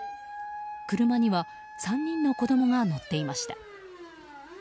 車には３人の子供が乗っていました。